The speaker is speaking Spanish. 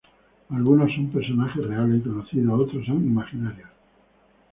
Algunos son personajes reales y conocidos otros son imaginarios.